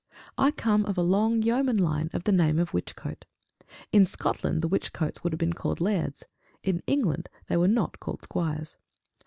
I come of a long yeoman line of the name of Whichcote. In Scotland the Whichcotes would have been called lairds; in England they were not called squires.